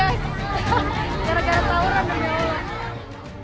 gara gara tawuran berhenti